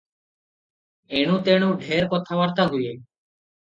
ଏଣୁ ତେଣୁ ଢେର କଥାବାର୍ତ୍ତା ହୁଏ ।